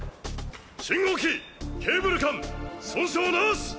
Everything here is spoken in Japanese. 信号機ケーブル間損傷無し。